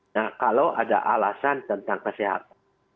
nah kalau ada alasan tentang kesehatan